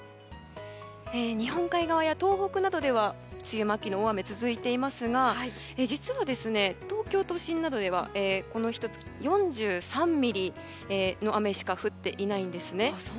日本海側や東北などでは梅雨末期の大雨が続いていますが実は、東京都心などではこのひと月で４３ミリの雨しか降っていないんですね。